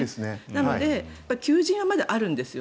なので、求人はまだあるんです。